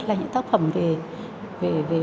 là những tác phẩm về